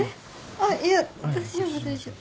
あっいや大丈夫大丈夫。